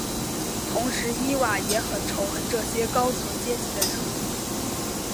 同时伊娃也很仇恨这些高层阶级的人物。